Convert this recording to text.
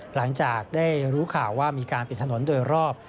หลังจากได้รู้ข่าวว่ามีการปิดถนนโดยรอบ